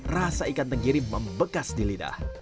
rasa ikan tenggiri membekas di lidah